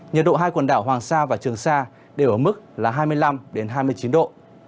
nhiệt độ hai quần đảo hoàng sa và trường sa đều ở mức là hai mươi năm hai mươi chín độ